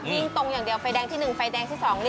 วิ่งตรงอย่างเดียวไฟแดงที่หนึ่งไฟแดงที่สอง